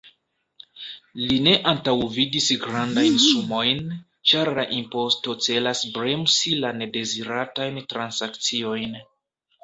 Li ne antaŭvidis grandajn sumojn, ĉar la imposto celas bremsi la nedeziratajn transakciojn.